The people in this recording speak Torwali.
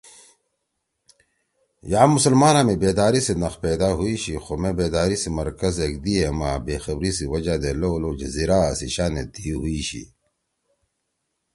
یام مسلمانا می بیداری سی نخ پیدا ہُوئی شی خو مے بیداری سی مرکز ایکدیِاما بےخبری سی وجہ دے لؤ لؤ جزیرا سی شانے دھی ہُوئشی